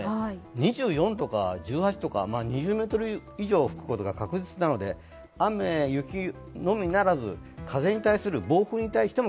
２４とか１８とか、２０メートル以上吹くことが確実なので雨、雪のみならず、暴風に対しても